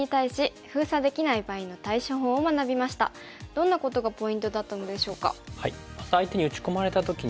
どんなことがポイントだったのでしょうか。